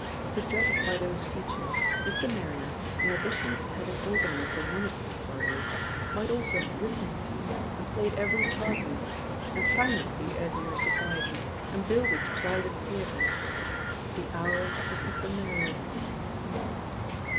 To judge by those features, Mr. Marrier, in addition to having organised and managed the soirée, might also have written the piece and played every part in it, and founded the Azure Society and built its private theatre. The hour was Mr. Marrier's.